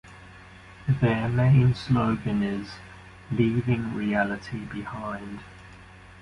Their main slogan is: leaving reality behind.